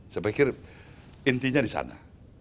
saya pikir intinya di sana